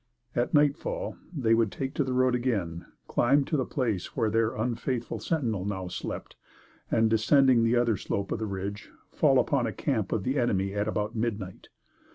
At nightfall they would take to the road again, climb to the place where their unfaithful sentinel now slept, and, descending the other slope of the ridge, fall upon a camp of the enemy at about midnight.